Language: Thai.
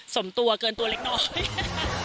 สมตัวเกินตัวเล็กน้อย